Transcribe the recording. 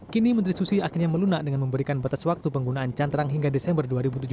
kini menteri susi akhirnya melunak dengan memberikan batas waktu penggunaan cantrang hingga desember dua ribu tujuh belas